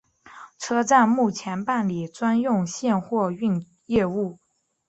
车站目前办理专用线货运业务。